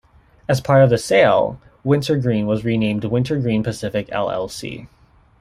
As part of the sale, Wintergreen was renamed Wintergreen Pacific Llc.